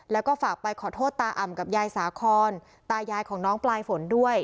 แล้วก็ฝากไปขอโทษตาอ่ำกับยายสาคอนตายายของน้องปลายฝนด้วย